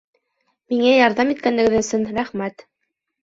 Миңә ярҙам иткәнегеҙ өсөн рәхмәт